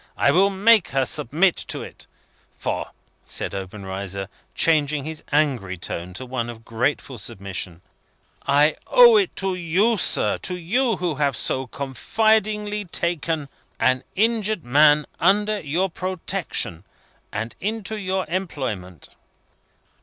I will make her submit herself to it. For," said Obenreizer, changing his angry tone to one of grateful submission, "I owe it to you, sir; to you, who have so confidingly taken an injured man under your protection, and into your employment."